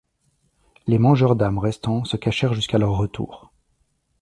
Les Mangeurs d'Âmes restant se cachèrent jusqu'à leur retour.